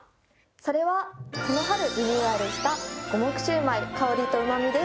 それはこの春リニューアルした「五目シュウマイ香りと旨み」です。